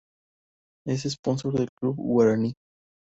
Es sponsor del Club Guaraní.